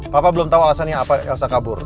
papa belum tahu alasannya apa elsa kabur